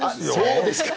そうですか。